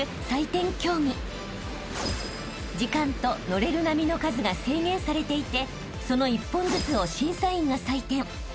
［時間と乗れる波の数が制限されていてその１本ずつを審査員が採点］